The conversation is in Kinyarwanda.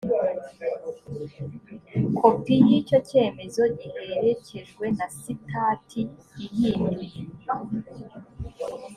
kopi y icyo cyemezo giherekejwe na sitati ihinduye